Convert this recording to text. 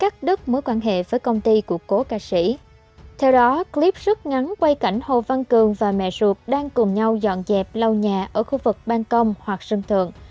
theo đó clip rút ngắn quay cảnh hồ văn cường và mẹ ruột đang cùng nhau dọn dẹp lau nhà ở khu vực ban công hoặc sân thượng